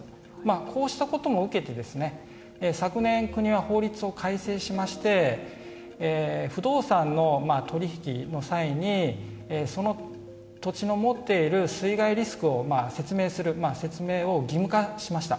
こうしたことも受けて昨年国は法律を改正しまして不動産の取り引きの際にその土地の持っている水害リスクを説明する説明を義務化しました。